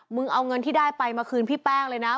เอาเงินที่ได้ไปมาคืนพี่แป้งเลยนะ